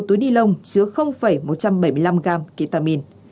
một túi nilon chứa một trăm bảy mươi năm gam ketamine